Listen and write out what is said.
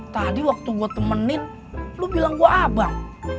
tadi waktu gua temenin lu bilang gua abang